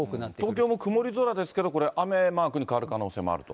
東京も曇り空ですけど、これ、雨マークに変わる可能性もあると。